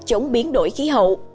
chống biến đổi khí hậu